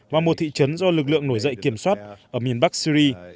và một thị trấn do lực lượng nổi dậy kiểm soát ở miền bắc syri